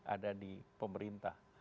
ada di pemerintah